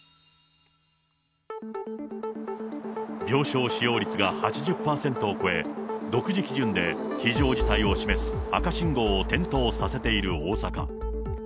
病床使用率が８０％を超え、独自基準で非常事態を示す赤信号を点灯させている大阪。